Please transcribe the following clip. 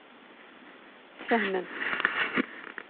Tfehmem.